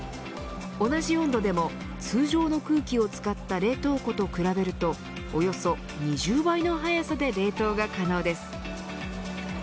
同じ温度でも、通常の空気を使った冷凍庫と比べるとおよそ２０倍の速さで冷凍が可能です。